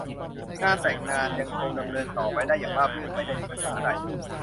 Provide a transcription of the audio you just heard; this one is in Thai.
งานแต่งงานยังคงดำเนินต่อไปได้อย่างราบรื่นไม่ได้มีปัญหาใด